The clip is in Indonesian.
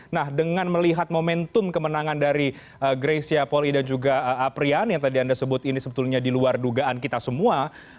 nah dengan melihat momentum kemenangan dari greysia poli dan juga aprian yang tadi anda sebut ini sebetulnya di luar dugaan kita semua